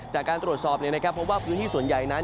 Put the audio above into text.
จากการตรวจสอบเนี่ยนะครับเพราะว่าพื้นที่ส่วนใหญ่นั้น